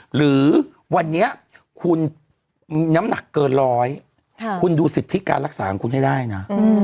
หรือวันนี้คุณน้ำหนักเกินร้อยคุณดูสิทธิการรักษาของคุณให้ได้นะ